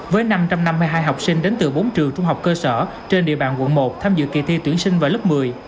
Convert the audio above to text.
với năm trăm năm mươi hai học sinh đến từ bốn trường trung học cơ sở trên địa bàn quận một tham dự kỳ thi tuyển sinh vào lớp một mươi